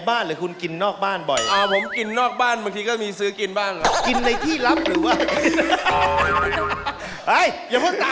มันเริ่มอันตันลายขึ้นได้เลยนะ